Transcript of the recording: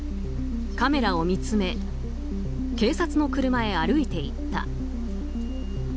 カメラを見つめ警察の車へ歩いて行った。